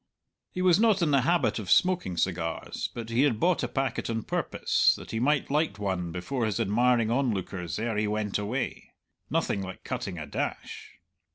He was not in the habit of smoking cigars, but he had bought a packet on purpose, that he might light one before his admiring onlookers ere he went away. Nothing like cutting a dash.